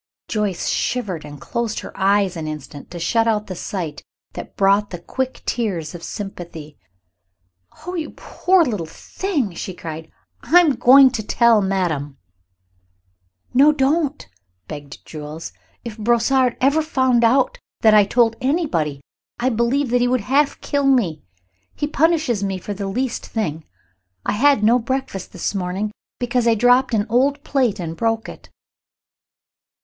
Joyce shivered and closed her eyes an instant to shut out the sight that brought the quick tears of sympathy. "Oh, you poor little thing!" she cried. "I'm going to tell madame." "No, don't!" begged Jules. "If Brossard ever found out that I had told anybody, I believe that he would half kill me. He punishes me for the least thing. I had no breakfast this morning because I dropped an old plate and broke it."